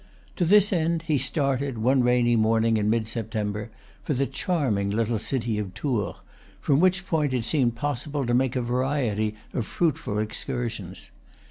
To this end he started, one rainy morning in mid Septem ber, for the charming little city of Tours, from which point it seemed possible to make a variety of fruitful excursions.